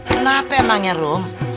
kenapa emangnya rum